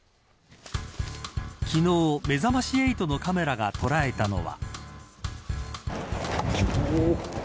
昨日、めざまし８のカメラが捉えたのは。